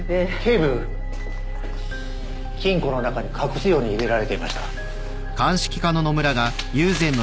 金庫の中に隠すように入れられていました。